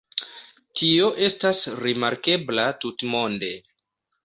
Tio estas rimarkebla tutmonde.